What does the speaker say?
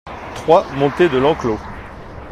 trois montée de l'Enclos